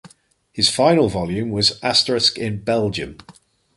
His final volume was "Asterix in Belgium".